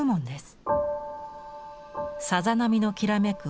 さざ波のきらめく